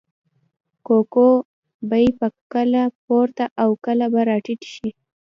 د کوکو بیې به کله پورته او کله به راټیټې شوې.